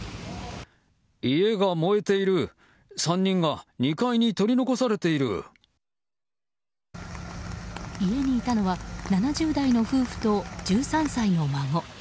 家にいたのは７０代の夫婦と１３歳の孫。